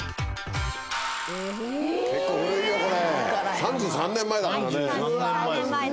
３３年前だからね。